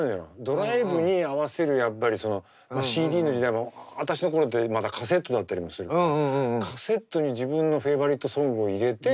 ドライブに合わせるやっぱりそのＣＤの時代も私の頃ってまだカセットだったりもするからカセットに自分のフェイバリットソングを入れて。